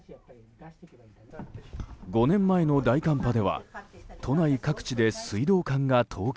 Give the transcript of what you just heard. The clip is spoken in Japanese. ５年前の大寒波では都内各地で水道管が凍結。